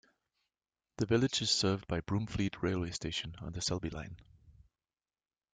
The village is served by Broomfleet railway station on the Selby Line.